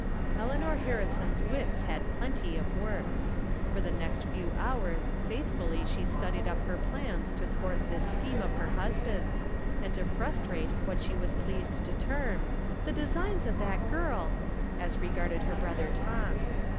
Eleanor Harrison's wits had plenty of work. For the next few hours faithfully she studied up her plans to thwart this scheme of her husband's, and to frustrate what she was pleased to term " the designs of that girl " as regarded her brother Tom.